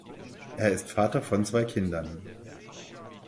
Er ist Vater von zwei Kindern.